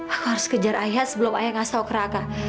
aku harus kejar ayah sebelum ayah ngasau ke raka